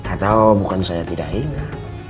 atau bukan saya tidak ingat